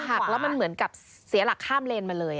หักแล้วมันเหมือนกับเสียหลักข้ามเลนมาเลย